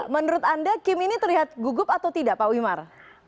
menurut anda kim ini terlihat gugup atau tidak pak wimar